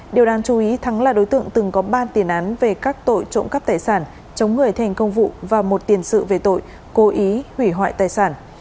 điều đáng chú ý thắng là đối tượng từng có ba tiền án về các tội trộm cắp tài sản chống người thành công vụ và một tiền sự về tội cố ý hủy hoại tài sản